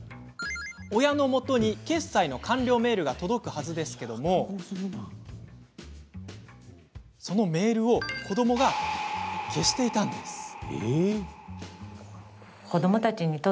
親のもとに、決済の完了メールが届くはずですがそのメールを子どもが消していたんです。